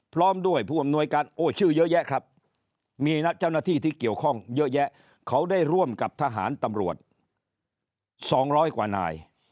พร้อมด้วยผู้อำนวยการโอ้ชื่อเยอะแยะครับมีเจ้าหน้าที่ที่เกี่ยวข้องเยอะแยะเขาได้ร่วมกับทหารตำรวจ๒๐๐กว่านาย